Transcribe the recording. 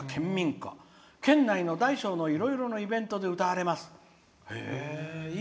県内の大小のいろいろなイベントで歌われます。